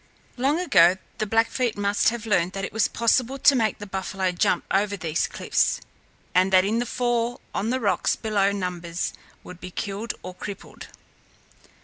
Long ago the Blackfeet must have learned that it was possible to make the buffalo jump over these cliffs, and that in the fall on the rocks below numbers would be killed or crippled.